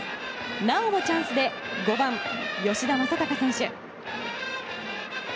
なおもチャンスで５番、吉田正尚選手。